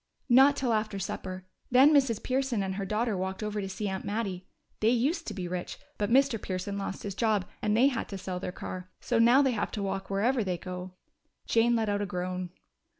"Not till after supper. Then Mrs. Pearson and her daughter walked over to see Aunt Mattie. They used to be rich, but Mr. Pearson lost his job, and they had to sell their car. So now they have to walk wherever they go." Jane let out a groan.